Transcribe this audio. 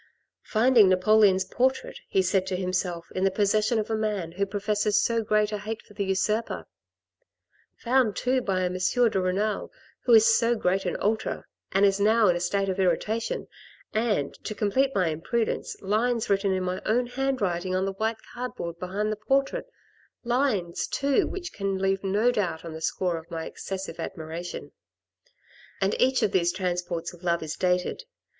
" Finding Napoleon's portrait," he said to himself, " in the possession of a man who professes so great a hate for the usurper ! Found, too, by M. de Renal, who is so great an ultra, and is now in a state of irritation, and, to complete my imprudence, lines written in my own handwriting on the white cardboard behind the portrait, lines, too, which can leave no doubt on the score of my excessive admiration. And each of these transports of love is dated.